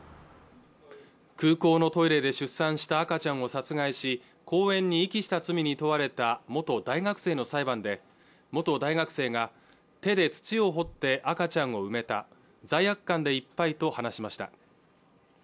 空港のトイレで出産した赤ちゃんを殺害し公園に遺棄した罪に問われた元大学生の裁判で元大学生が手で土を掘って赤ちゃんを埋めた罪悪感でいっぱいと話しました